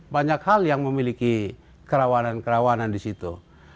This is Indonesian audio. banyak hal yang memiliki kerawanan kerawanan di situ